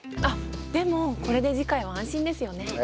あでもこれで次回も安心ですよね。